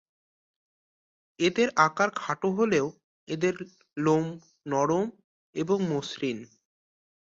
এদের আকার খাটো হলেও এদের লোম নরম এবং মসৃণ।